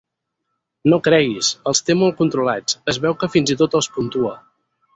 No creguis, els té molt controlats, es veu que fins i tot els puntua.